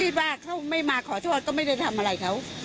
ว่าเขาไม่มาขอโทษก็ไม่ได้ทำอะไรเขา